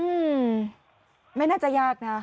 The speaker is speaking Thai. อืมไม่น่าจะยากนะ